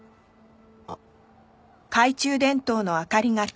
あっ。